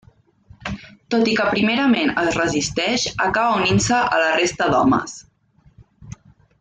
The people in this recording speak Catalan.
Tot i que primerament es resisteix, acaba unint-se a la resta d'homes.